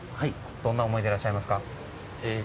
どんな思いでいらっしゃいますか？